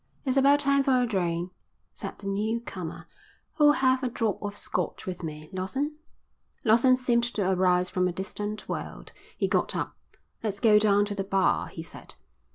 "It's about time for a drain," said the new comer. "Who'll have a drop of Scotch with me? Lawson?" Lawson seemed to arise from a distant world. He got up. "Let's go down to the bar," he said.